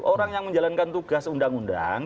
orang yang menjalankan tugas undang undang